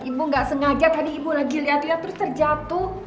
ibu gak sengaja tadi ibu lagi liat liat terus terjatuh